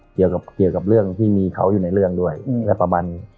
เกี่ยวกับเรื่องที่มีเขาอยู่ในเรื่องด้วยและประบัน